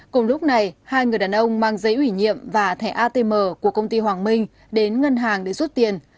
cùng lúc này hai người đàn ông mang giấy ủy nhiệm và thẻ atm của công ty hoàng minh đến ngân hàng để rút tiền